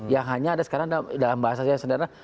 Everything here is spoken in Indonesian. yang hanya ada sekarang dalam bahasa saya sederhana